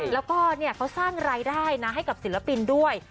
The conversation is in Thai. แล้วก็เขาสร้างรายได้นะให้กับศิลปินด้วย